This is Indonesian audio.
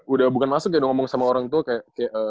udah bukan masuk ya dong ngomong sama orang tua kayak